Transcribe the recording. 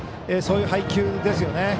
そういう配球ですよね。